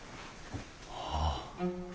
はあ